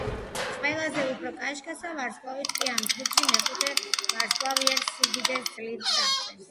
ყველაზე უფრო კაშკაშა ვარსკვლავიც კი ამ ჯგუფში, მეხუთე ვარსკვლავიერ სიდიდეს ძლივს აღწევს.